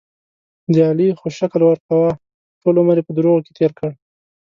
د علي خو شکل ورکوه، ټول عمر یې په دروغو کې تېر کړ.